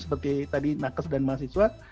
seperti tadi nakes dan mahasiswa